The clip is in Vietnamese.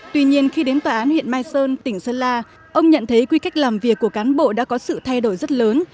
tuy nhiên khi đến tòa án huyện mai sơn tỉnh sơn la ông nhận thấy quy cách làm việc của cán bộ đã có sự thay đổi rất lớn